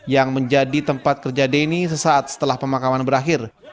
yang menjadi tempat kerja denny sesaat setelah pemakaman berakhir